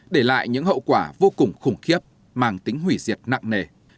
để lại những hậu quả vô cùng khủng khiếp mang tính hủy diệt nặng nề